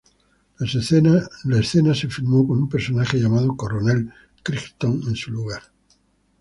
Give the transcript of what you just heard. La escena se filmó con un personaje llamado coronel Crichton en su lugar.